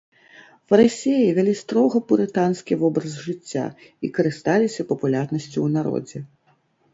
Фарысеі вялі строга пурытанскі вобраз жыцця і карысталіся папулярнасцю ў народзе.